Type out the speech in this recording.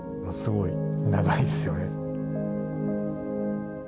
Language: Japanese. すごい長いですよね。